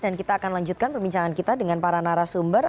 dan kita akan lanjutkan pembincangan kita dengan para narasumber